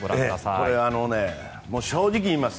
これ、正直言います。